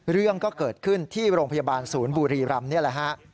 เรื่องก็เกิดขึ้นที่โรงพยาบาลศูนย์บุรีรำนี่แหละฮะ